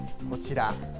こちら。